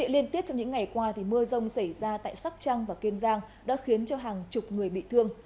liên tiếp trong những ngày qua mưa rông xảy ra tại sóc trăng và kiên giang đã khiến cho hàng chục người bị thương